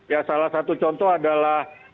ya salah satu contoh adalah